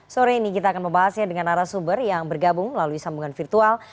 sore ini kita akan membahasnya dengan arah sumber yang bergabung melalui sambungan virtual